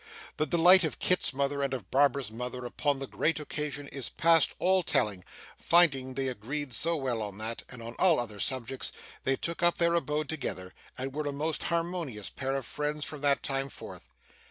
The delight of Kit's mother and of Barbara's mother upon the great occasion is past all telling; finding they agreed so well on that, and on all other subjects, they took up their abode together, and were a most harmonious pair of friends from that time forth.